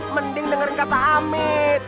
mending denger kata amit